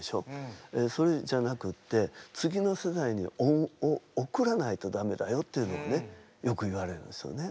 それじゃなくって次の世代におんをおくらないとダメだよっていうのをねよく言われるんですよね。